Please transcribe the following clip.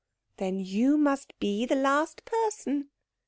"Then you must be the last person."